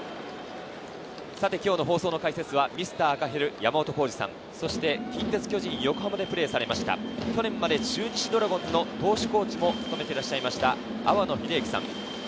今日の放送の解説はミスター赤ヘル・山本浩二さん、近鉄、巨人、横浜でプレーされました、去年まで中日ドラゴンズの投手コーチも務めていた阿波野秀幸さん。